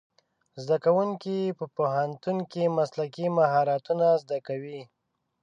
زدهکوونکي په پوهنتون کې مسلکي مهارتونه زده کوي.